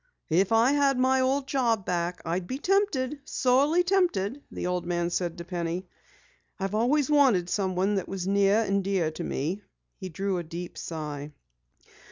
"If I had my old job back, I'd be tempted, sorely tempted," the old man said to Penny. "I've always wanted someone that was near and dear to me." He drew a deep sigh.